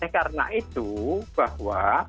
karena itu bahwa